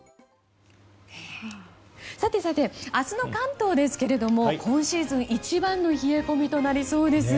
さてさて明日の関東ですが今シーズン一番の冷え込みとなりそうです。